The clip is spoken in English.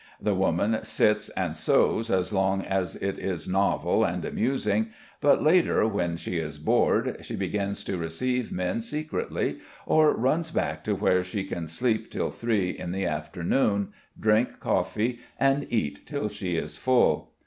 The woman sits and sews as long as it is novel and amusing, but later, when she is bored, she begins to receive men secretly, or runs back to where she can sleep till three in the afternoon, drink coffee, and eat till she is full.